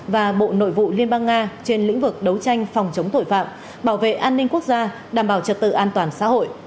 và bộ nội vụ liên bang nga trên lĩnh vực đấu tranh phòng chống tội phạm bảo vệ an ninh quốc gia đảm bảo trật tự an toàn xã hội